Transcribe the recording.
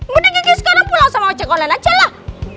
budi kiki sekarang pulang sama ojek online aja lah